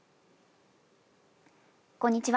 こんにちは。